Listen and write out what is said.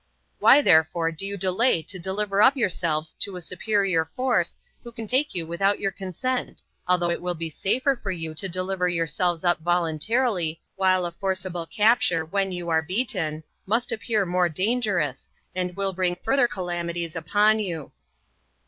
Why therefore do you delay to deliver up yourselves to a superior force, who can take you without your consent? although it will be safer for you to deliver yourselves up voluntarily, while a forcible capture, when you are beaten, must appear more dangerous, and will bring further calamities upon you."